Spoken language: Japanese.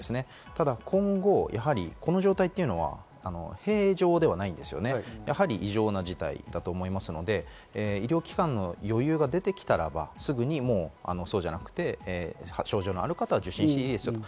ただ今後、この状態は通常ではないんですよね、やはり異常な事態だと思いますので医療機関の余裕が出てきたならば、すぐにそうではなくて、症状のある方は受診していいですよと。